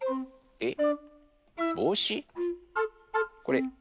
えっ？